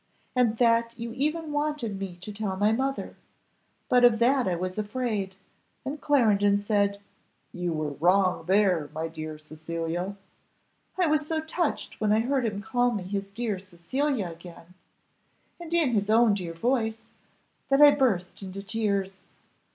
And that you even wanted me to tell my mother, but of that I was afraid; and Clarendon said, 'You were wrong there, my dear Cecilia.' "I was so touched when I heard him call me his dear Cecilia again, and in his own dear voice, that I burst into tears.